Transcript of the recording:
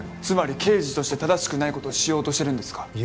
つまり刑事として正しくないことをしようとしてるんですか？